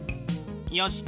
よし。